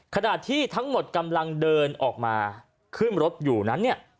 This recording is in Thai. ขณะที่ทั้งหมดกำลังเดินออกมาขึ้นรถอยู่นั้นเนี่ย